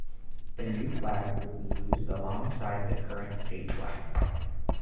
The new flag would be used alongside the current state flag.